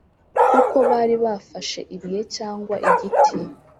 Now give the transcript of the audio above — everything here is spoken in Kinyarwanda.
kuko bari bafashe ibuye cyangwa igiti,